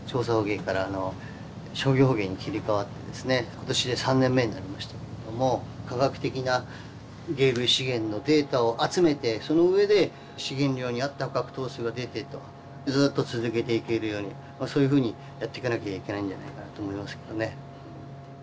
今年で３年目になりましたけども科学的な鯨類資源のデータを集めてそのうえで資源量に合った捕獲頭数が出てるとずっと続けていけるようにまあそういうふうにやっていかなきゃいけないんじゃないかと思いますけどね。